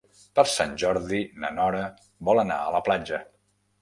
Per Sant Jordi na Nora vol anar a la platja.